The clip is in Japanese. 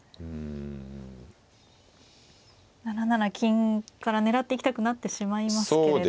７七金から狙っていきたくなってしまいますけれど。